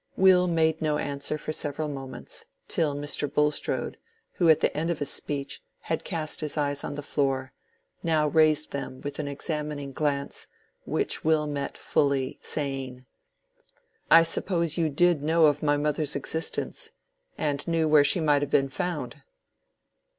Will made no answer for several moments, till Mr. Bulstrode, who at the end of his speech had cast his eyes on the floor, now raised them with an examining glance, which Will met fully, saying— "I suppose you did know of my mother's existence, and knew where she might have been found."